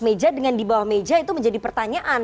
meja dengan di bawah meja itu menjadi pertanyaan